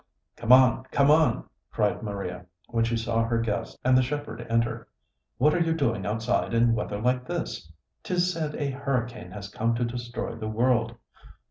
"Come on! Come on!" cried Maria, when she saw her guest and the shepherd enter. "What are you doing outside in weather like this? 'Tis said a hurricane has come to destroy the world.